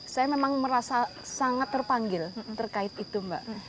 saya memang merasa sangat terpanggil terkait itu mbak